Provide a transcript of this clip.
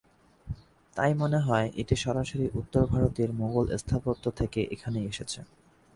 তাই মনে হয়, এটি সরাসরি উত্তর-ভারতের মুগল স্থাপত্য থেকে এখানে এসেছে।